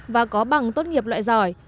và có bằng tốt nghiệp loại giỏi